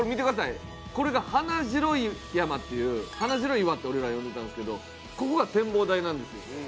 これが華城山という華城岩って俺らは呼んでたんですけどここが展望台なんですよ。